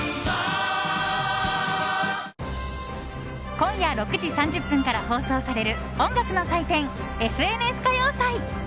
今夜６時３０分から放送される音楽の祭典「ＦＮＳ歌謡祭」。